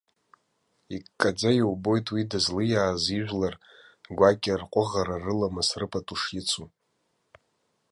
Иккаӡа иубоит уи дызлиааз ижәлар гәакьа рҟәыӷара, рыламыс, рыпату шицу.